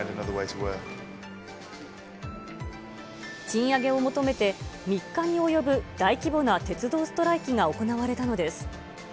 賃上げを求めて、３日に及ぶ大規模な鉄道ストライキが行われたのです。